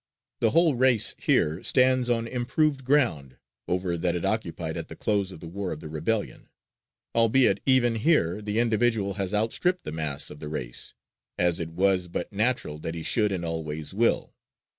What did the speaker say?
The whole race here stands on improved ground over that it occupied at the close of the War of the Rebellion; albeit, even here, the individual has outstripped the mass of the race, as it was but natural that he should and always will.